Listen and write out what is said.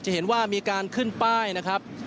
เห็นว่ามีการขึ้นป้ายนะครับ